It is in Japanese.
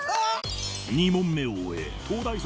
２問目を終え東大卒